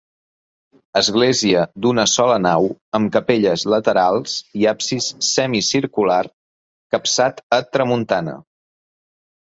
Església d'una sola nau amb capelles laterals i absis semicircular capçat a tramuntana.